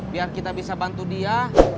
biar kita bisa bantu dia